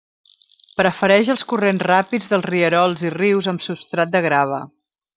Prefereix els corrents ràpids dels rierols i rius amb substrat de grava.